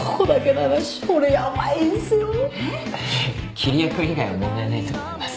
桐矢君以外は問題ないと思います。